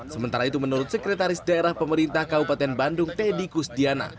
sementara itu menurut sekretaris daerah pemerintah kabupaten bandung teddy kusdiana